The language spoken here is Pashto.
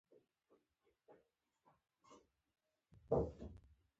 او صرف پاکستان پوځیانو